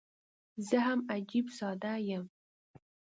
زه هم عجيب ساده یم.